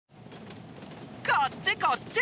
こっちこっち！